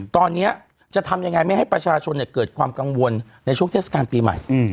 ตอนนี้จะทำยังไงไม่ให้ประชาชนเกิดความกังวลในช่วงเทศกาลปีใหม่